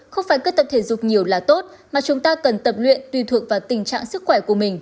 không phải cứ tập thể dục nhiều là tốt mà chúng ta cần tập luyện tùy thuộc vào tình trạng sức khỏe của mình